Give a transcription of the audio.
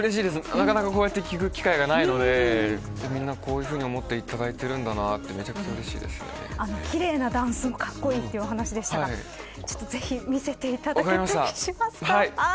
なかなかこうやって聞く機会がないのでこういうふうに思ってもらえているんだなと奇麗なダンスも格好いいということでしたがぜひ見せていただけませんか。